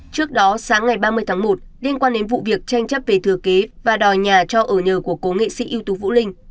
trước đó sáng ngày ba mươi tháng một liên quan đến vụ việc tranh chấp về thừa kế và đòi nhà cho ở nhờ của cố nghệ sĩ ưu tú vũ linh